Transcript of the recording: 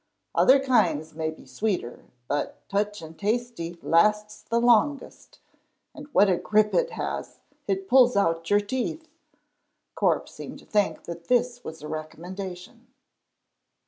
Other kinds may be sweeter, but Teuch and Tasty lasts the longest, and what a grip it has! It pulls out your teeth!" Corp seemed to think that this was a recommendation.